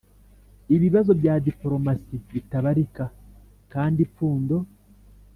ibibazo bya diporomasi bitabarika kandi ipfundo